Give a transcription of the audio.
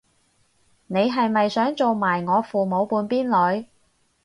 你係咪想做埋我父母半邊女